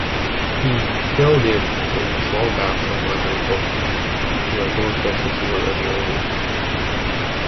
He "filled in" only small gaps of minor importance, where no sources were available.